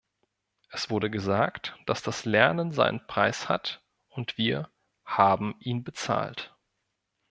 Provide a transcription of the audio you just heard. Es wurde gesagt, dass das Lernen seinen Preis hat und wir haben ihn bezahlt.